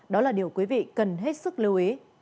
đó là điều quý vị cần hết sức lưu ý